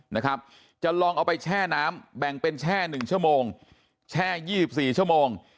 นะครับจะลองเอาไปแช่น้ำแบ่งเป็นแช่๑ชั่วโมงแช่๒๔ชั่วโมง